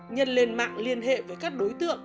nhân lên mạng liên hệ với các đối tượng